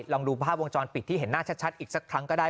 ลองดูภาพวงจรปิดที่เห็นหน้าชัดอีกสักครั้งก็ได้